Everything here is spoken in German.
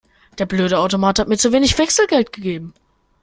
Der blöde Automat hat mir zu wenig Wechselgeld gegeben.